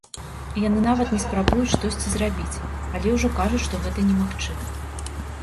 Яны нават не спрабуюць штосьці зрабіць, але ўжо кажуць, што гэта немагчыма.